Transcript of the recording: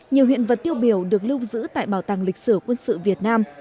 nhiều hiện vật tiêu biểu được lưu giữ tại bảo tàng lịch sử quân sự việt nam